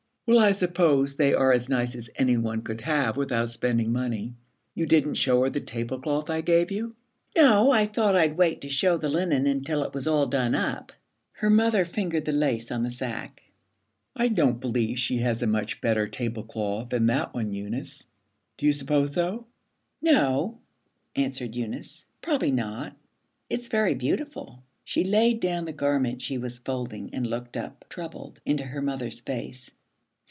'Well, I suppose they are as nice as any one could have without spending money. You didn't show her the tablecloth I gave you?' 'No, I thought I'd wait to show the linen until it was all done up.' Her mother fingered the lace on the sack. 'I don't believe she has a much better tablecloth than that one, Eunice. Do you suppose so?' 'No,' answered Eunice, 'probably not. It's very beautiful.' She laid down the garment she was folding and looked up, troubled, into her mother's face.